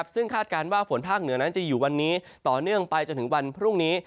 ซึ่งคาดการณ์ว่าฝนภาคเหนือนั้นจะอยู่วันนี้ต่อเนื่องไปจนถึงวันพรุ่งนี้